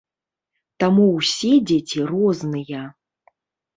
Таму ўсе дзеці розныя.